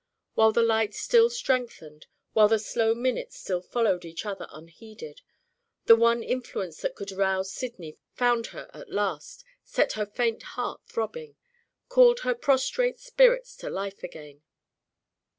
While the light still strengthened, while the slow minutes still followed each other unheeded, the one influence that could rouse Sydney found her at last set her faint heart throbbing called her prostrate spirit to life again.